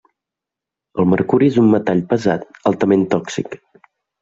El mercuri és un metall pesant altament tòxic.